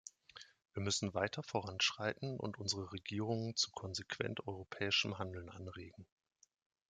Wir müssen weiter voranschreiten und unsere Regierungen zu konsequent europäischem Handeln anregen.